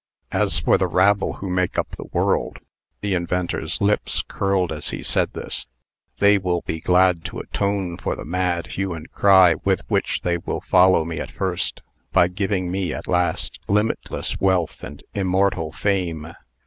As for the rabble who make up the world (the inventor's lips curled as he said this), they will be glad to atone for the mad hue and cry with which they will follow me at first, by giving me, at last, limitless wealth and immortal fame."